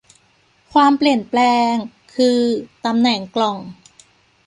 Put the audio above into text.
ความเปลี่ยนแปลง คือ ตำแหน่งกล่อง